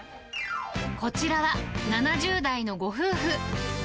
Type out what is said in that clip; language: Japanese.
こちらは７０代のご夫婦。